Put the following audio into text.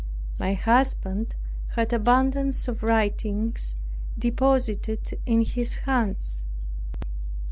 My husband had abundance of writings deposited in his hands.